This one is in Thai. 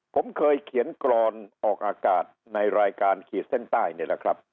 ผมเคยเขียนกรอนออกอากาศในรายการขีดเส้นใต้นี่แหละครับ